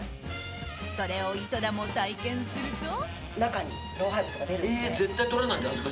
それを井戸田も体験すると。